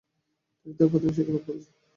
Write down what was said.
তিনি তার প্রাথমিক শিক্ষালাভ করেছেন।